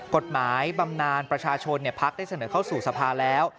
กฎหมายบำนานประชาชนพรรคได้เสนอเข้าสู่สภาแล้ว